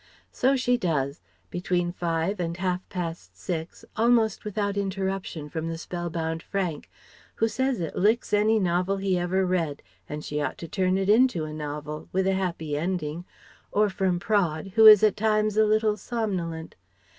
So she does, between five and half past six, almost without interruption from the spell bound Frank who says it licks any novel he ever read, and she ought to turn it into a novel with a happy ending or from Praed who is at times a little somnolent.